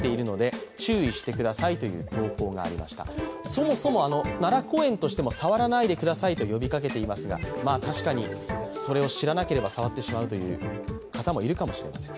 そもそも奈良公園としても触らないでくださいと呼びかけていますが、確かにそれを知らなければ触ってしまうという方もいるかもしれません。